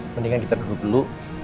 mendingan kita duduk dulu